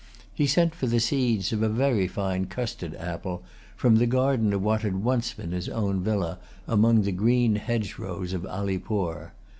He sent for seeds of a very fine custard apple, from the garden of what had once been his own villa, among the green hedgerows of Allipore.